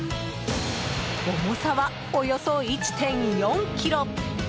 重さは、およそ１．４ｋｇ！